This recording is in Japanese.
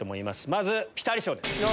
まずピタリ賞です。